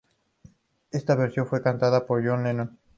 Esta versión fue cantada por John Lennon.